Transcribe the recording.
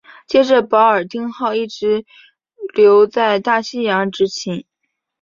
接着保尔丁号一直留在大西洋执勤。